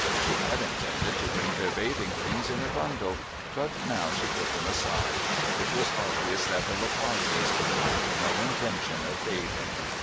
She had intended to bring their bathing things in a bundle, but now she put them aside. It was obvious that the Le Pages had no intention of bathing.